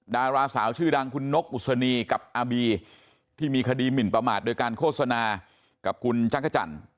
ดาราสาวชื่อดังคุณนกอุศนีกับอาบีที่มีคดีหมินประมาทโดยการโฆษณากับคุณจักรจันทร์